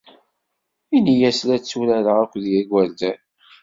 Ini-as la tturareɣ akked yigerdan.